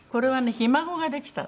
ひ孫ができたの。